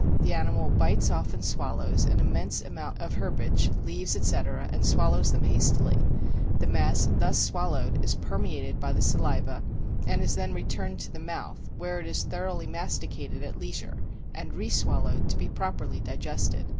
The animal bites off and swallows an immense amount of herbage, leaves, etc., and swallows them hastily; the mass thus swallowed is permeated by the saliva and is then returned to the mouth, where it is thoroughly masticated at leisure, and re swallowed to be properly digested.